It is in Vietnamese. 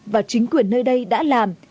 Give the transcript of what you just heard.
và chính quyền nơi đây đã làm